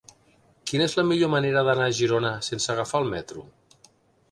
Quina és la millor manera d'anar a Girona sense agafar el metro?